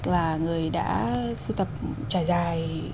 là người đã siêu tập trải dài